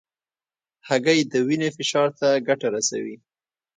هګۍ د وینې فشار ته ګټه رسوي.